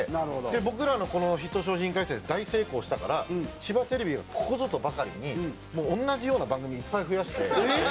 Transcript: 僕らのこの『ＨＩＴ商品会議室』で大成功したから千葉テレビはここぞとばかりにもう同じような番組いっぱい増やして。